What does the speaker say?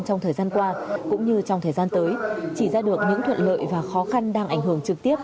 trong thời gian qua cũng như trong thời gian tới chỉ ra được những thuận lợi và khó khăn đang ảnh hưởng trực tiếp